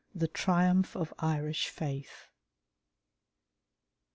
The Triumph of Irish Faith.